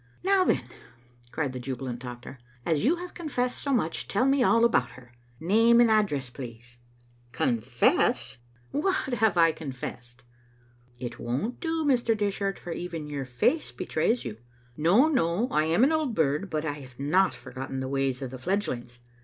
" Now, then," cried the jubilant doctor, "as you have confessed so much, tell me all about her. Name and address, please." " Confess ! What have I confessed?" " It won't do, Mr. Dishart, for even your face betrays you. No, no, I am an old bird, but I have not forgot ten the ways of the fledgelings.